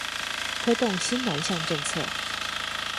推動新南向政策